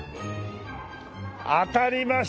当たりました！